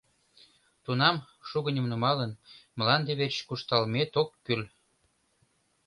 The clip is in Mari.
Тунам, шугыньым нумалын, мланде верч куржталмет ок кӱл.